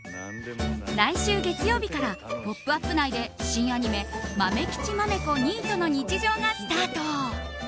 来週月曜日から「ポップＵＰ！」内で新アニメ「まめきちまめこニートの日常」がスタート。